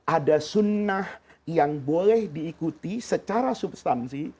ada sunnah yang boleh diikuti secara substansi